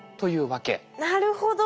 なるほど。